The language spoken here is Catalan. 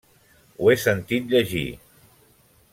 Ho he sentit llegir…